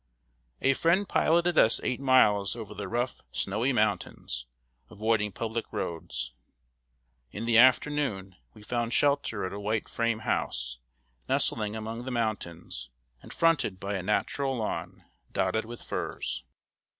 ] A friend piloted us eight miles over the rough, snowy mountains, avoiding public roads. In the afternoon, we found shelter at a white frame house, nestling among the mountains, and fronted by a natural lawn, dotted with firs.